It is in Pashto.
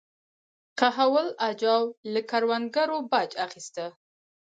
کهول اجاو له کروندګرو باج اخیسته.